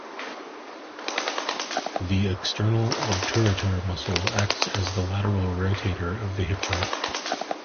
The external obturator muscle acts as the lateral rotator of the hip joint.